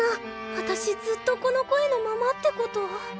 わたしずっとこの声のままってこと？